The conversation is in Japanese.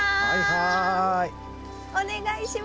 はい。